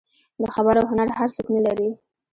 د خبرو هنر هر څوک نه لري.